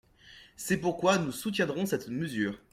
C’est pourquoi nous soutiendrons cette mesure.